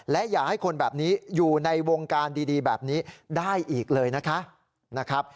และอย่าให้คนแบบนี้อยู่ในวงการดีแบบนี้ได้อีกเลยนะคะ